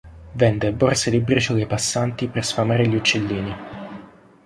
Vende borse di briciole ai passanti per sfamare gli uccellini.